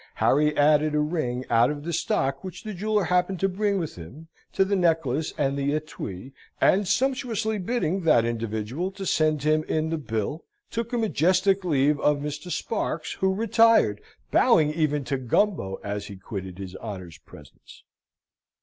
Harry added a ring out of the stock which the jeweller happened to bring with him, to the necklace and the etwee; and sumptuously bidding that individual to send him in the bill, took a majestic leave of Mr. Sparks, who retired, bowing even to Gumbo, as he quitted his honour's presence.